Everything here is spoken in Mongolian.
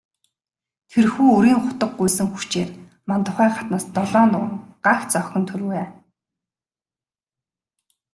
Тэрхүү үрийн хутаг гуйсан хүчээр Мандухай хатнаас долоон нуган, гагц охин төрвэй.